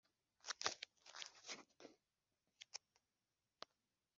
akayimenyesha amakuru cyangwa se akayibwira gahunda y’ubukwe afite.